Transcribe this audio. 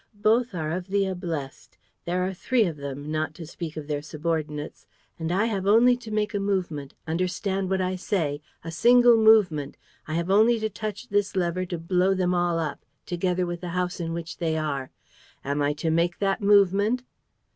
Both are of the ablest. There are three of them, not to speak of their subordinates. And I have only to make a movement, understand what I say, a single movement, I have only to touch this lever to blow them all up, together with the house in which they are. Am I to make that movement?"